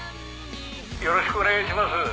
よろしくお願いします。